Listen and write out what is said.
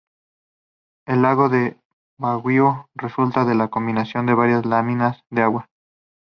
El lago de Baguio resulta de la combinación de varias láminas de agua.